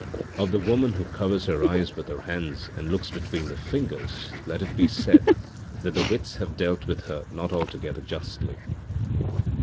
Of the woman who covers her eyes with her hands and looks between the fingers let it be said that the wits have dealt with her not altogether justly.